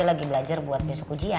lagi belajar buat besok ujian